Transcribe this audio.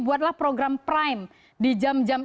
buatlah program prime di jam jam